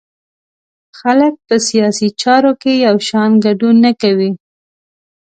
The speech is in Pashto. خلک په سیاسي چارو کې یو شان ګډون نه کوي.